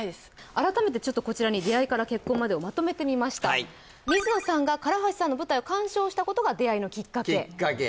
改めてちょっとこちらに出会いから結婚までをまとめてみました水野さんが唐橋さんの舞台を観賞したことが出会いのきっかけきっかけ